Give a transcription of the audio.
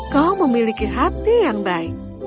kau memiliki hati yang baik